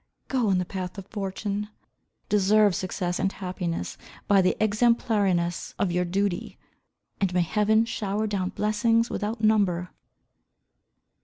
Go in the path of fortune. Deserve success and happiness by the exemplariness of your duty. And may heaven shower down blessings without number!"